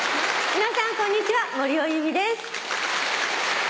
皆さんこんにちは森尾由美です。